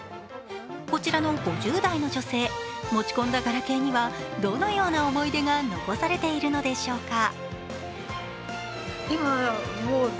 こちらの５０代の女性、持ち込んだガラケーにはどのような思い出が残されているのでしょうか。